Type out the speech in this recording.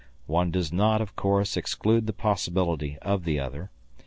One does not, of course, exclude the possibility of the other.